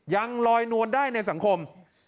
ยังลอยนวลได้ในสังคม